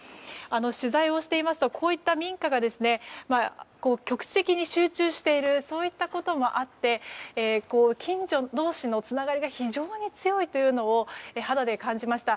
取材をしていますとこういった民家が局地的に集中しているそういったこともあって近所同士のつながりが非常に強いというのを肌で感じました。